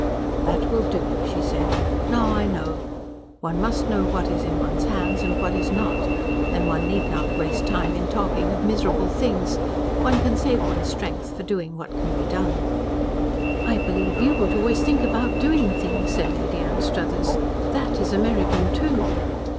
"That will do," she said. "Now I know. One must know what is in one's hands and what is not. Then one need not waste time in talking of miserable things. One can save one's strength for doing what can be done." "I believe you would always think about DOING things," said Lady Anstruthers. "That is American, too."